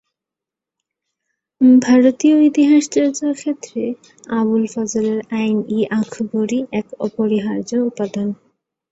ভারতীয় ইতিহাস চর্চার ক্ষেত্রে আবুল ফজলের আইন-ই-আকবরী এক অপরিহার্য উপাদান।